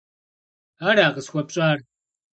- Ара къысхуэпщӏар?